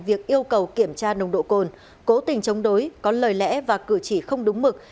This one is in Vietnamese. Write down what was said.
việc yêu cầu kiểm tra nồng độ cồn cố tình chống đối có lời lẽ và cử chỉ không đúng mực